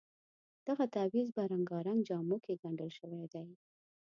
دغه تعویض په رنګارنګ جامو کې ګنډل شوی دی.